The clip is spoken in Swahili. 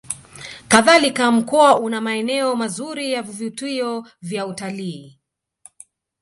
Kadhalika Mkoa una maeneo mazuri ya vivutio vya utalii